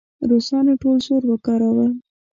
روسانو ټول زور وکاراوه.